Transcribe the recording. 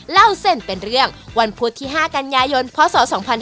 เล่าเส้นเป็นเรื่องวันพุธที่๕กันยายนพศ๒๕๕๙